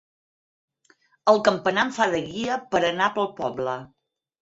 El campanar em fa de guia per anar pel poble.